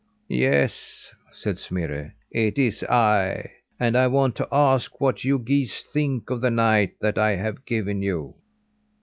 "Yes," said Smirre, "it is I; and I want to ask what you geese think of the night that I have given you?"